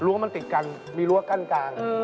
ว่ามันติดกันมีรั้วกั้นกลาง